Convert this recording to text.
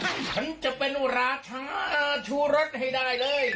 ฉันจะเป็นอุราชาชูรสให้ได้เลย